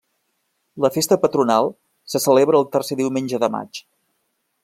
La festa patronal se celebra el tercer diumenge de maig.